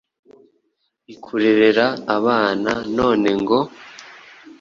ikurerera abana none ngo...